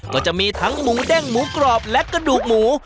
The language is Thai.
ก็จะมีทั้งหมูเด้งหมูกรอบและกระดูกหมู